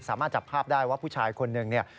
สามารถจับภาพได้ว่าผู้ชายคนหนึ่งเนี่ย